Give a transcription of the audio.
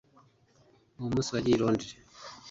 uwo munsi wagiye i londres